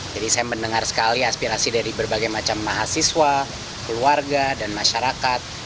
jadi saya mendengar sekali aspirasi dari berbagai macam mahasiswa keluarga dan masyarakat